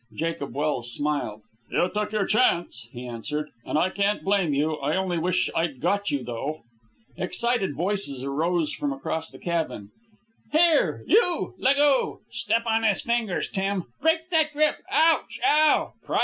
Jacob Welse smiled. "You took your chance," he answered, "and I can't blame you. I only wish I'd got you, though." Excited voices arose from across the cabin. "Here, you! Leggo!" "Step on his fingers, Tim!" "Break that grip!" "Ouch! Ow!"